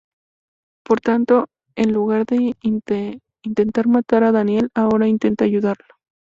Por tanto, en lugar de intentar matar a Daniel, ahora intenta ayudarlo.